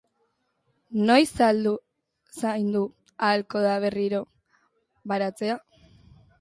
Noiz zaindu ahalko da berriro baratzea?